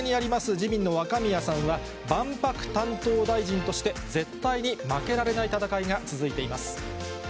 自民の若宮さんは、万博担当大臣として、絶対に負けられない戦いが続いています。